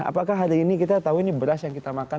apakah hari ini kita tahu ini beras yang kita makan